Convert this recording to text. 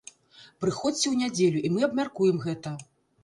Прыходзьце ў нядзелю, і мы абмяркуем гэта!